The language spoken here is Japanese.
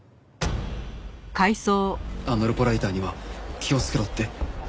あのルポライターには気をつけろって。